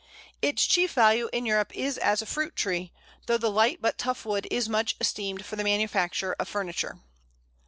Its chief value in Europe is as a fruit tree, though the light but tough wood is much esteemed for the manufacture of furniture.